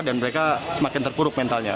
dan mereka semakin terpuruk mentalnya